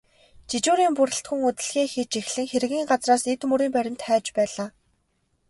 Жижүүрийн бүрэлдэхүүн үзлэгээ хийж эхлэн хэргийн газраас эд мөрийн баримт хайж байлаа.